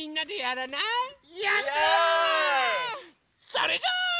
それじゃあ。